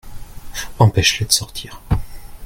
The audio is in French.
Empêche-les de sortir.